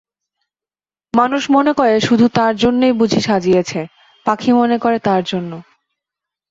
মানুষ মনে করে শুধু তার জন্যেই বুঝি সাজিয়েছে, পাখি মনে করে তার জন্যে।